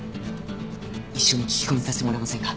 一緒に聞き込みさせてもらえませんか？